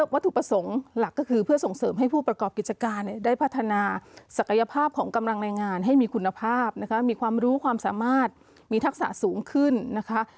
วัตถุประสงค์หลักก็คือเพื่อส่งเสริมให้ผู้ประกอบกิจการได้พัฒนาศักยภาพของกำลังแรงงานให้มีคุณภาพนะคะมีความรู้ความสามารถมีทักษะสูงขึ้นนะคะ